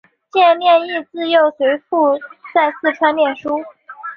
蹇念益自幼随父亲在四川念书。